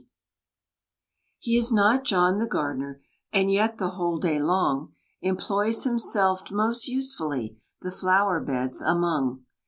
He is not John the gardener, And yet the whole day long Employs himself most usefully, The flower beds among.